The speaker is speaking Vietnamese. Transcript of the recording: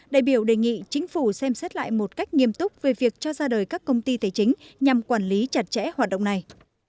đại biểu đề nghị chính phủ xem xét lại một cách nghiêm túc về việc cho ra đời các công ty tài chính nhằm quản lý chặt chẽ hoạt động này